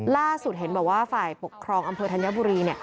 ล่าสุดเห็นบอกว่าฝ่ายปกครองอำเภอธัญบุรี